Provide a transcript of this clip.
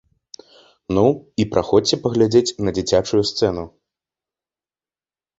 Ну, і прыходзьце паглядзець на дзіцячую сцэну.